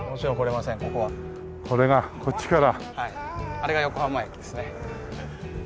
あれが横浜駅ですね。